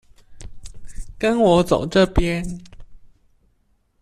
跟我走這邊